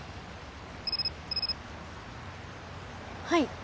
はい。